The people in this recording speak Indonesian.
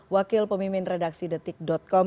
wakil pemimpin redaksi detik com